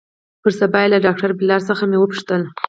پر سبا يې له ډاکتر بلال څخه مې وپوښتل.